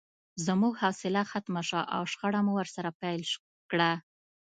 زموږ حوصله ختمه شوه او شخړه مو ورسره پیل کړه